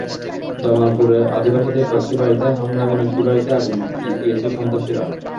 জামালপুরে আদিবাসীদের কয়েকটি বাড়িতে হামলা এবং একটি বাড়িতে আগুন দিয়েছে সন্ত্রাসীরা।